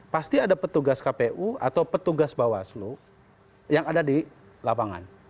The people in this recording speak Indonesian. pasti ada petugas kpu atau petugas bawaslu yang ada di lapangan